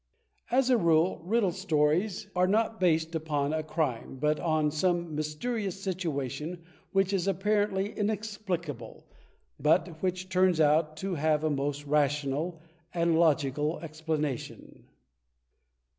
As a rule, Riddle Stori es are noLJbtased upon a crime, but on some mysterious situation which is apparently inexplicable, but which turns out to have a most rational and logical explanation.